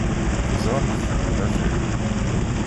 Teẓram-t deg unafag.